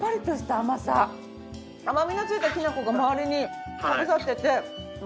甘みのついたきなこが周りにかぶさってて。